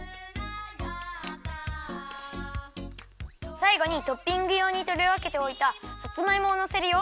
さいごにトッピングようにとりわけておいたさつまいもをのせるよ。